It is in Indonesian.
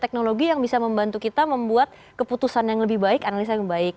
teknologi yang bisa membantu kita membuat keputusan yang lebih baik analisa yang baik